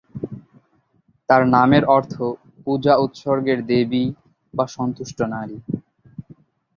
তাঁর নামের অর্থ "পূজা-উৎসর্গের দেবী" বা "সন্তুষ্ট নারী"।